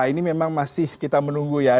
ini memang masih kita menunggu ya